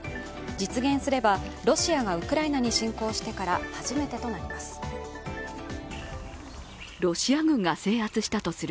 実現すればロシアがウクライナに侵攻してから、初めてとなります。